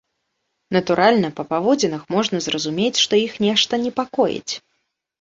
Натуральна, па паводзінах можна зразумець, што іх нешта непакоіць.